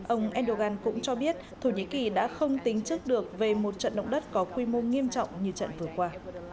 ông erdogan cũng cho biết thổ nhĩ kỳ đã không tính chức được về một trận động đất có quy mô nghiêm trọng như trận vừa qua